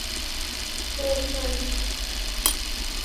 جمگرد